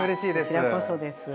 こちらこそです。